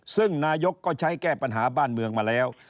ซึ่งนายกก็ใช้แก้ปัญหาบ้านเมืองมาแล้ว